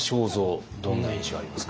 どんな印象ありますか？